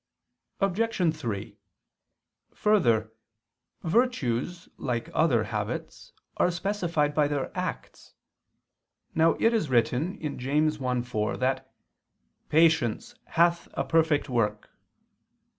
Obj. 3: Further, virtues like other habits, are specified by their acts. Now it is written (James 1:4) that "patience hath a perfect work."